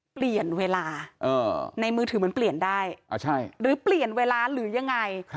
เปลี่ยนเวลาในมือถือมันเปลี่ยนได้หรือเปลี่ยนเวลาหรือยังไง